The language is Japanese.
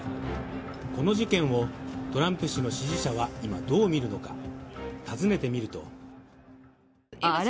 この事件をトランプ氏の支持者は今、どう見るのか。